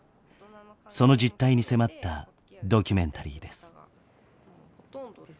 その実態に迫ったドキュメンタリーです。